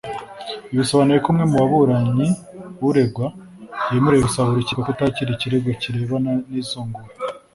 Ibi binasobanuye ko umwe mu baburanyi (uregwa) yemerewe gusaba urukiko kutakira ikirego kirebana n’izungura